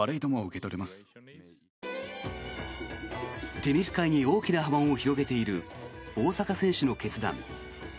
テニス界に大きな波紋を広げている大坂選手の決断。